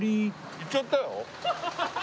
行っちゃったよ？